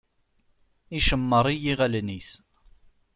Icemmeṛ i yiɣallen-is.